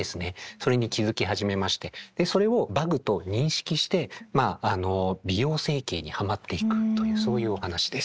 それに気付き始めましてそれをバグと認識して美容整形にハマっていくというそういうお話です。